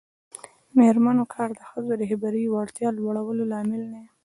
د میرمنو کار د ښځو رهبري وړتیا لوړولو لامل دی.